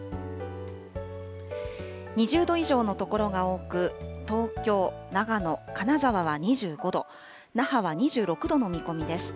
２０度以上の所が多く、東京、長野、金沢は２５度、那覇は２６度の見込みです。